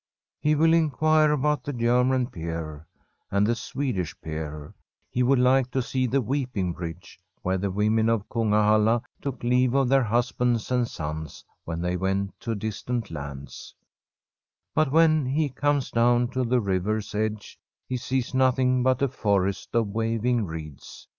He will inquire about the German pier and the Swedish pier ; he would like to see the Weeping Bridge where the women of Kunga halla took leave of their husbands and sons when they went to distant lands, but when he comes down to the river's edge he sees nothing but a forest of waving reeds.